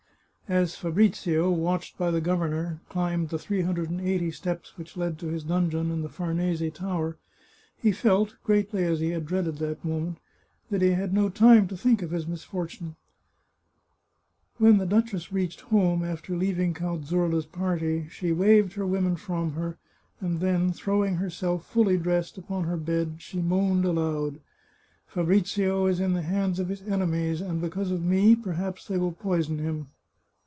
As Fabrizio, watched by the governor, climbed the three hundred and eighty steps which led to his dungeon in the Farnese Tower he felt, greatly as he had dreaded that moment, that he had no time to think of his misfortune. When the duchess reached home after leaving Count Zurla's party she waved her women from her, and then, throwing herself, fully dressed, upon her bed, she moaned aloud :" Fabrizio is in the hands of his enemies, and, be cause of me, perhaps they will poison him."